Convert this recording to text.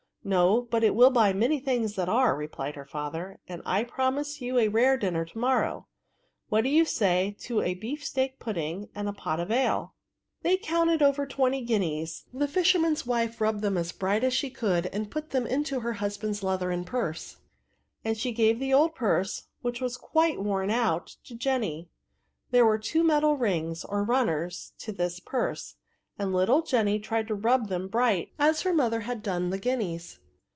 " No, but it will buy many things that are," replied her father ; "and I promise you a rare dinner to morrow ; what do you say to a beefsteak pudding, and a pot of ale ?" G 3 66 TERBS. They counted over twenty guineas; the fisherman's wife rubbed them as bright as she could, and put them into her husband's leathern purse ; and she gave the old purse^ which was quite worn out, to Jenny. There were two metal rings, or runners, to this purse ; and little Jenny tried to rub them bright, as her mother had done the guineas.